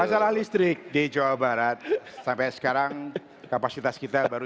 masalah listrik di jawa barat sampai sekarang kapasitas kita baru sembilan ribu lima ratus megawatt